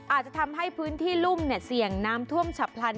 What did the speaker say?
อาจจะทำให้พื้นที่รุ่มเสี่ยงน้ำท่วมฉับพลัน